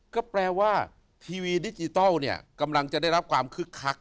ก็แปลว่าทีวีดิจิทัลเนี่ยกำลังจะได้รับความคึกคัก